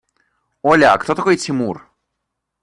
Оля, а кто такой Тимур?